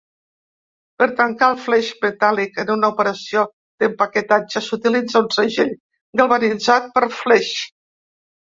Per tancar el fleix metàl·lic en una operació d'empaquetatge s'utilitza un segell galvanitzat per fleix.